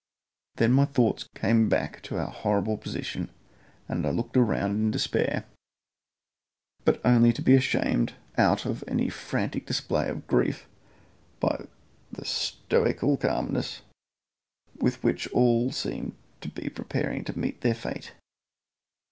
Then my thoughts came back to our horrible position, and I looked round in despair, but only to be shamed out of any frantic display of grief by the stoical calmness with which all seemed to be preparing to meet their fate.